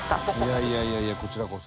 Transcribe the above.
「いやいやいやいやこちらこそ」